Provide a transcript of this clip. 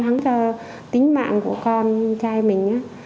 lo lắng cho tính mạng của con trai mình á